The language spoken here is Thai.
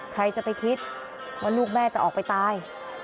ใครจะไปคิดว่าลูกแม่จะออกไปตาย